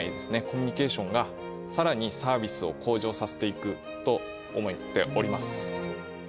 コミュニケーションがさらにサービスを向上させていくと思っております。